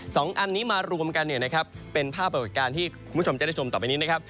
สองอันนี้มารวมกันเนี่ยนะครับเป็นภาพปรากฏการณ์ที่คุณผู้ชมจะได้ชมต่อไปนี้นะครับ